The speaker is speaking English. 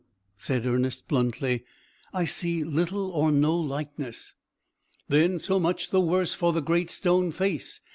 said Ernest, bluntly, "I see little or no likeness." "Then so much the worse for the Great Stone Face!"